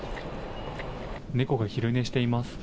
猫が昼寝しています。